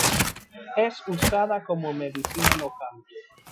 Es usada como medicina local.